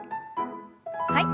はい。